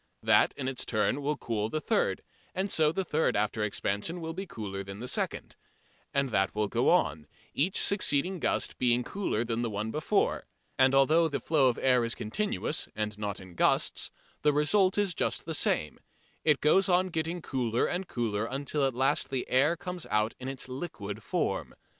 That in its turn will cool the third, and so the third after expansion will be cooler than the second. And that will go on, each succeeding gust being cooler than the one before. And although the flow of air is continuous, and not in gusts, the result is just the same: it goes on getting cooler and cooler until at last the air comes out in its liquid form.